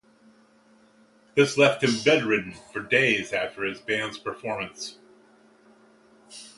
This left him bedridden for days after his band's performance.